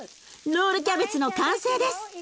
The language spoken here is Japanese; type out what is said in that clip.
ロールキャベツの完成です。